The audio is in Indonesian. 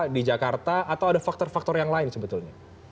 di jakarta atau ada faktor faktor yang lain sebetulnya